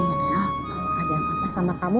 kalo ada yang apa sama kamu